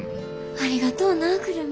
ありがとうな久留美。